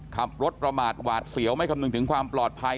ขับรถประมาทหวาดเสียวไม่คำนึงถึงความปลอดภัย